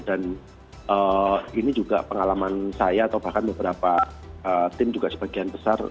dan ini juga pengalaman saya atau bahkan beberapa tim juga sebagian besar